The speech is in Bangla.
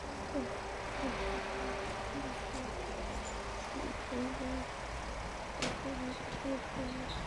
তারপর পাকিস্তানি অলরাউন্ডার ওয়াসিম হায়দারের দ্বারা প্রভাবিত হয়ে স্লো অর্থোডক্স স্পিন বোলার হিসাবে তার রূপান্তর ঘটে।